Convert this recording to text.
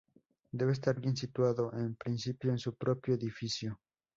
Debe estar bien situado, en principio, en su propio edificio.